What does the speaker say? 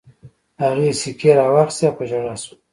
هغې سيکې را واخيستې او په ژړا شوه.